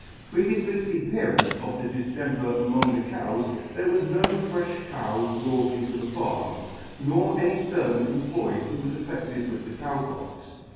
Previoufly to the appearance of the diftemper among the cows there was no frefh cow brought into the farm, nor any fervant employed who was attested with the Cow Pox.